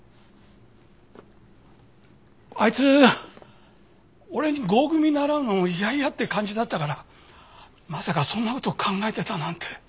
あいつ俺に合組習うのも嫌々って感じだったからまさかそんな事考えてたなんて。